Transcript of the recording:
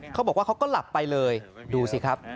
เขาบอกว่าเขาก็หลับไปเลยดูสิครับ